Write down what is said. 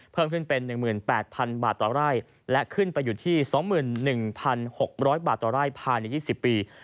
เพิ่มขึ้นเป็น๑๘๐๐๐บาทต่อไร่และขึ้นไปอยู่ที่๒๑๖๐๐บาทต่อไร่ภายใน๒๐ปี